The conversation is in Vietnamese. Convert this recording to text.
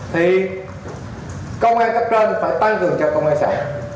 thì công an các xã phải tăng cường cho công an xã